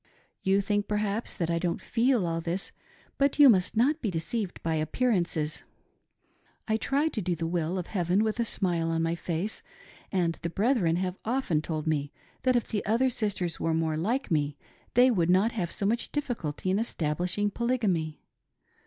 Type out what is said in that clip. You think, perhaps, that I don't feel all this, but you must not be deceived by appearances. I try to do the will of Heaven with a smile on my face ; and the brethren have often told me that if the other sisters were more like me they would not have so much difficulty in establishing Polygamy.